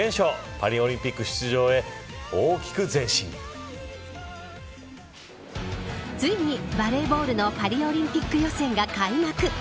パリオリンピック出場へついにバレーボールのパリオリンピック予選が開幕。